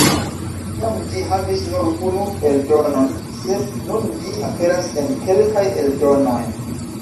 Tiam ĝi havis nur unu eldonon, sed nun ĝi aperas en kelkaj eldonoj.